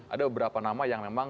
ada beberapa nama yang memang